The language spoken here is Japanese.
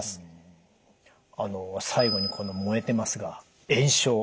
あの最後にこの燃えてますが炎症。